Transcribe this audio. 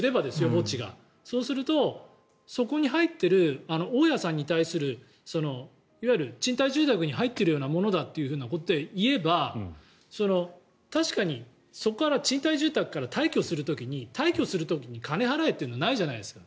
墓地がそうすると、そこに入っている大屋さんに対するいわゆる賃貸住宅に入ってるものだということで言えば確かにそこから賃貸住宅から退去する時に金払えってないじゃないですか。